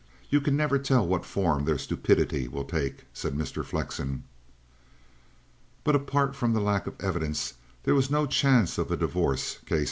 You can never tell what form their stupidity will take," said Mr. Flexen. "But apart from the lack of evidence, there was no chance of a divorce case.